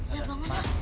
ya bangun pak